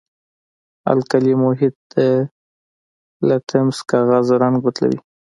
القلي محیط د لتمس کاغذ رنګ بدلوي.